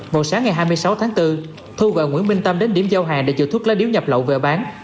vào sáng ngày hai mươi sáu tháng bốn thu gọi nguyễn minh tâm đến điểm giao hàng để chữa thuốc lá điếu nhập lậu về bán